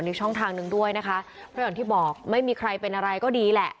อีกช่องทางหนึ่งด้วยนะคะเพราะอย่างที่บอกไม่มีใครเป็นอะไรก็ดีแหละ